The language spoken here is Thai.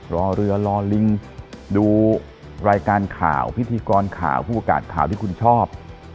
รอเรือรอลิงดูรายการข่าวพิธีกรข่าวผู้ประกาศข่าวที่คุณชอบ